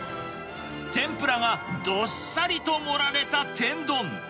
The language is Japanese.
天ぷらがどっさりと盛られた天丼。